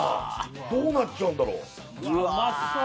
どうなっちゃうんだろうまそう！